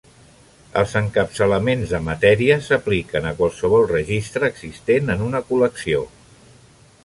Els encapçalaments de matèria s'apliquen a qualsevol registre existent en una col·lecció.